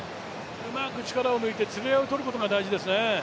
うまく力を抜いてつり合いをとることが大事ですね。